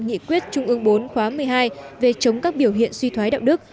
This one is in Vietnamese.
nghị quyết trung ương bốn khóa một mươi hai về chống các biểu hiện suy thoái đạo đức